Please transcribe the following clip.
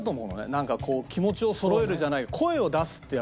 なんか気持ちをそろえるじゃないけど。